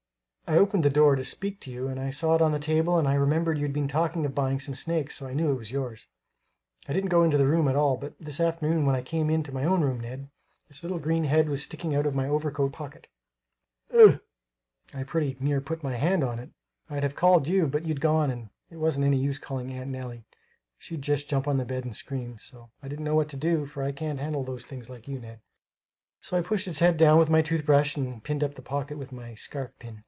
I opened the door to speak to you and I saw it on the table and I remembered you'd been talking of buying some snakes, so I knew it was yours. I didn't go into the room at all, but this afternoon when I came into my own room, Ned, its little green head was sticking out of my overcoat pocket ugh! I pretty near put my hand on it! I'd have called you, but you'd gone, and it wasn't any use calling Aunt Nellie she'd just jump on the bed and scream; so I didn't know what to do, for I can't handle those things like you, Ned, so I pushed its head down with my tooth brush and pinned up the pocket with my scarf pin.